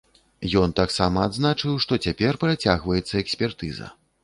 Ён таксама адзначыў, што цяпер працягваецца экспертыза.